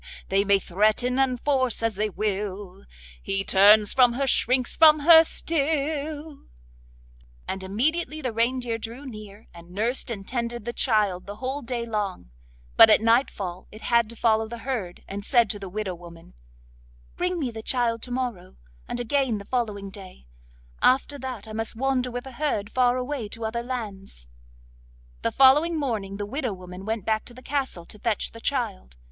They may threaten and force as they will, He turns from her, shrinks from her still,' and immediately the reindeer drew near, and nursed and tended the child the whole day long; but at nightfall it had to follow the herd, and said to the widow woman: 'Bring me the child to morrow, and again the following day; after that I must wander with the herd far away to other lands.' The following morning the widow woman went back to the castle to fetch the child.